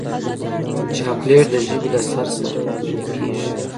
چاکلېټ د ژبې له سر سره ویلې کېږي.